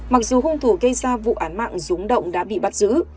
mặc dù hung thủ gây ra vụ án mạng rúng động đã bị bắt giữ